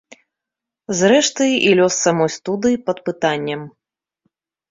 Зрэшты, і лёс самой студыі пад пытаннем.